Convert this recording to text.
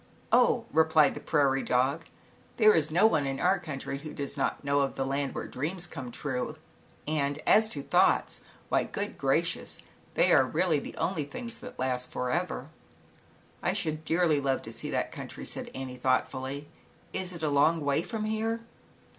"Oh," replied the prairie dog, "There is no one in our country, who does not know of the land where dreams come true, and as to thoughts, why good gracious! they are really the only things that last forever." "I should dearly love to see that country," said Annie, thoughtfully. "Is it a long way from here?"